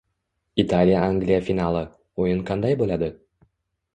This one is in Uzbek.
Italiya - Angliya finali. O‘yin qanday bo‘ladi?